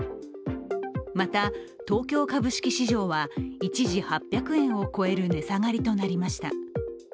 また東京株式市場は一時８００円を超える値下がりとなりました。